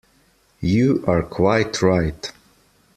You are quite right.